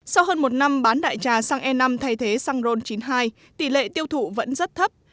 sau hơn một năm bán đại trà xăng e năm thay thế xăng ron chín mươi hai tỷ lệ tiêu thụ vẫn rất thấp